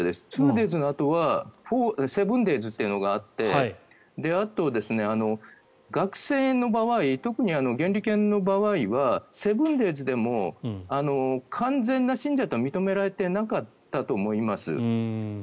２デーズのあとは７デーズというのがあってあと学生の場合特に原理研の場合は７デーズでも完全な信者と認められてなかったと思います。